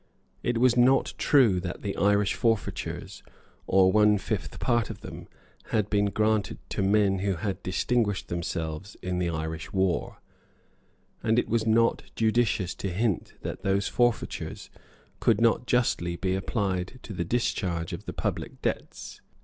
It was not true that the Irish forfeitures, or one fifth part of them, had been granted to men who had distinguished themselves in the Irish war; and it was not judicious to hint that those forfeitures could not justly be applied to the discharge of the public debts.